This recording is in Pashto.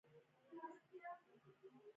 ځکه د ما په عمر نفر يې په ملکي جامه کي حقیر ګاڼه.